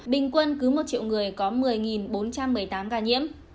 bình quân cứ một triệu người có một mươi bốn trăm một mươi tám ca nhiễm